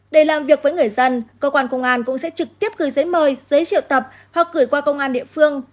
để làm việc với người dân cơ quan công an cũng sẽ trực tiếp gửi giấy mời giấy triệu tập hoặc gửi qua công an địa phương